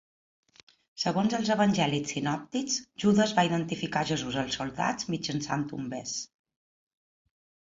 Segons els Evangelis sinòptics, Judes va identificar Jesús als soldats mitjançant un bes.